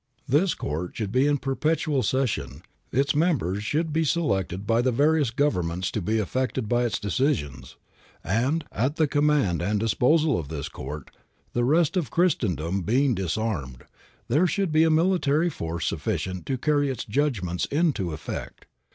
This court should be in perpetual session; its members should be selected by the various governments to be affected by its decisions, and, at the command and disposal of this court, the rest of Christendom being disarmed, there should be a military force sufficient to carry its judgments into effect.